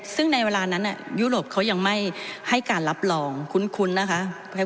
ซึ่งในเวลานั้นยุโรปเขายังไม่ให้การรับรองคุ้นนะคะ